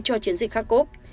cho chiến dịch kharkov